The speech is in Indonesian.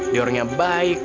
dia orang yang baik